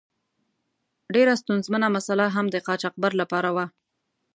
ډیره ستونزمنه مساله هم د قاچاقبر له پاره وه.